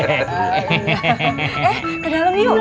eh ke dalem yuk